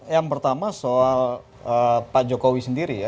yang pertama soal pak jokowi sendiri ya